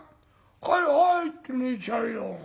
『はいはい』って寝ちゃうよ。